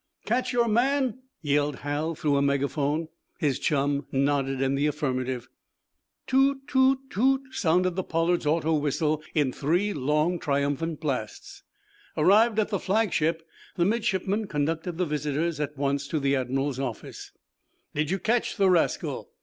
"Catch your man?" yelled Hal, through a megaphone. His chum nodded in the affirmative. "Toot! toot! toot!" sounded the "Pollard's" auto whistle, in three long, triumphant blasts. Arrived at the flagship, the midshipman conducted the visitors at once to the admiral's office. "Did you catch the rascal?"